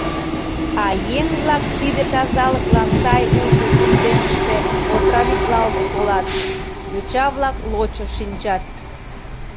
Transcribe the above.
А еҥ-влак тиде тазалыклан сай улшо кундемыште отравитлалт колат, йоча-влак лочо шинчат.